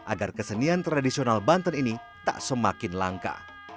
agar kesenian tradisional banten ini tak semakin langka